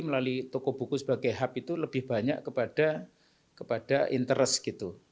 melalui toko buku sebagai hub itu lebih banyak kepada interest gitu